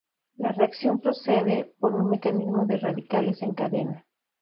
La reacción procede por un mecanismo de radicales en cadena.